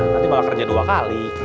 nanti bakal kerja dua kali